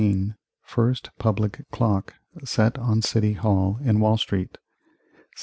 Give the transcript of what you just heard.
First public clock set on City Hall in Wall Street 1715.